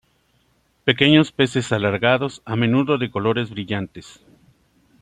Pequeños peces alargados a menudo de colores brillantes.